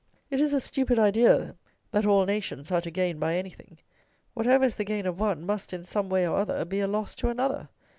It is a stupid idea that all nations are to gain by anything. Whatever is the gain of one must, in some way or other, be a loss to another.